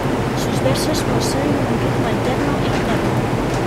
Sus versos poseen un ritmo alterno e interno.